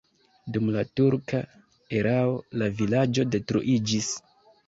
Dum la turka erao la vilaĝo detruiĝis.